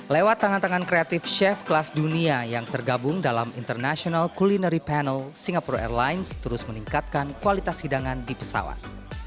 lewat tangan tangan kreatif chef kelas dunia yang tergabung dalam international culinary panel singapore airlines terus meningkatkan kualitas hidangan di pesawat